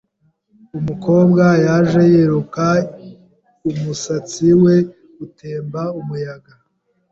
Umukobwa yaje yiruka, umusatsi we utemba umuyaga.